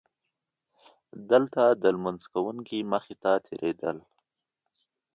دلته د لمونځ کوونکي مخې ته تېرېدل.